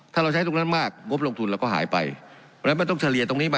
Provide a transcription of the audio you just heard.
ถ้าเราใช้ตรงนั้นมากงบลงทุนเราก็หายไปเพราะฉะนั้นมันต้องเฉลี่ยตรงนี้มา